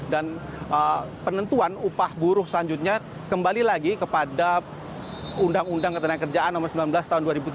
dan penentuan upah buruh selanjutnya kembali lagi kepada undang undang ketenagakerjaan nomor sembilan belas tahun dua ribu tiga